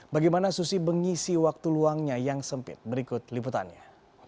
bagaimana susi mengisi waktu luangnya yang sempit berikut liputannya